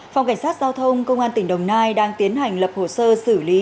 phòng cảnh sát giao thông công an tỉnh đồng nai đang tiến hành lập hồ sơ xử lý